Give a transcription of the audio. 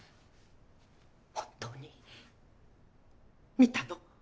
本当に見たの？